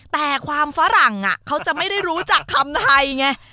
แต่ความฝรั่งเขาจะไม่ได้รู้จักคำไทยไง